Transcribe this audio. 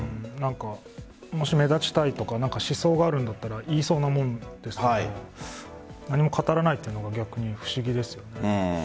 もし目立ちたいとか思想があるんだったら言いそうなもんですけど何も語らないというのが逆に不思議ですよね。